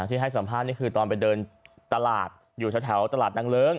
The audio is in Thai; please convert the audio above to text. ที่ให้สัมภาษณ์นี่คือตอนไปเดินตลาดอยู่แถวตลาดนางเลิ้ง